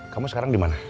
kamu sekarang dimana